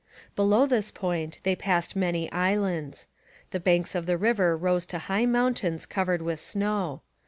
Below this point, they passed many islands. The banks of the river rose to high mountains covered with snow.